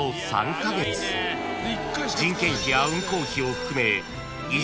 ［人件費や運行費を含め］